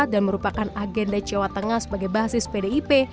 dan merupakan agenda jawa tengah sebagai basis pdip